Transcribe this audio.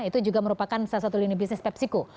itu juga merupakan salah satu lini bisnis pepsiko